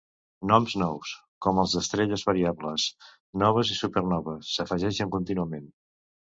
Noms nous, com els d'estrelles variables, noves i supernoves, s'afegeixen contínuament.